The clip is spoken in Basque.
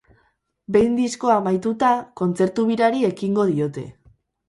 Behin diskoa amaituta, kontzertu birari ekingo diote.